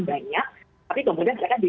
banyak tapi kemudian mereka di